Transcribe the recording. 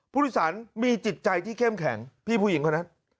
ผู้โดยสารมีจิตใจที่เข้มแข็งพี่ผู้หญิงคนนั้น